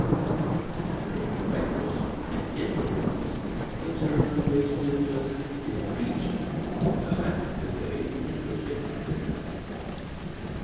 But the matter of directness and indirectness concerns the way the stimulus is reached, not the way in which it operates.